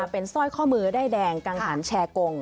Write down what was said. เป็นสร้อยข้อมือด้ายแดงกังหันแชร์กง